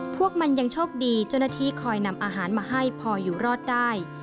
พวกมันยังโชคดีเจ้าหน้าที่คอยนำอาหารมาให้พออยู่รอดได้